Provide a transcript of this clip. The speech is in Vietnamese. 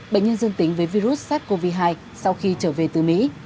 bệnh nhân dương tính với virus sars cov hai sau khi trở về từ mỹ